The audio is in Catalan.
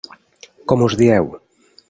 Com us dieu?